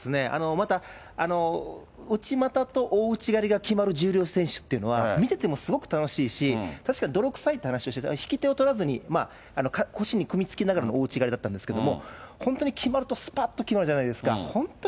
また、内股と大内刈りが決まる重量選手っていうのは、見ててもすごく楽しいし、確かに泥臭いって話をしてた、引き手を取らずに、腰に組みつきながらの大内刈りだったんですけども、本当に決まると、すぱっと決まるじゃないですか。